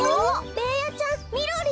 ベーヤちゃんみろりん。